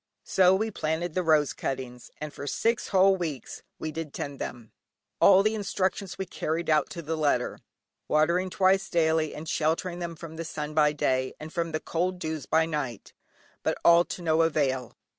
So we planted the rose cuttings, and for six whole weeks did we tend them. All the instructions we carried out to the letter, watering twice daily and sheltering them from the sun by day, and from the cold dews by night, but all to no avail.